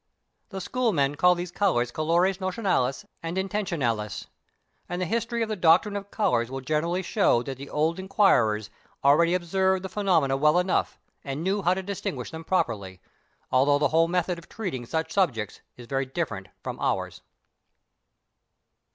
The schoolmen called these colours colores notionales and intentionales, and the history of the doctrine of colours will generally show that the old inquirers already observed the phenomena well enough, and knew how to distinguish them properly, although the whole method of treating such subjects is very different from ours.